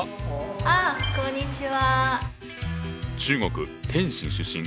あこんにちは。